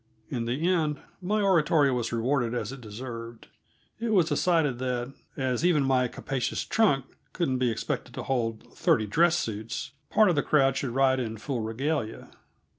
In the end my oratory was rewarded as it deserved; it was decided that, as even my capacious trunks couldn't be expected to hold thirty dress suits, part of the crowd should ride in full regalia.